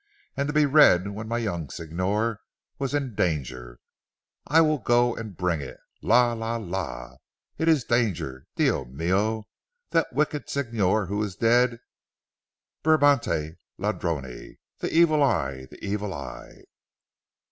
And to be read when my young Signor was in danger. I will go and bring it. La! La! La! It is danger. Dio mio! That wicked Signor who is dead birbanti ladroni. The evil eye the evil eye."